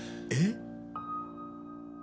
えっ！？